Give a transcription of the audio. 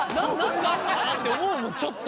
だって思うもんちょっと。